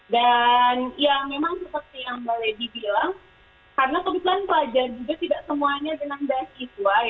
dan ya memang seperti yang mbak lady bilang karena kebetulan pelajar juga tidak semuanya dengan daya